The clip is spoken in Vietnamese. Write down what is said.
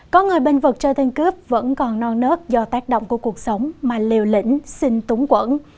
có người bên vực chơi tên cướp vẫn còn non nớt do tác động của cuộc sống mà liều lĩnh sinh túng quẩn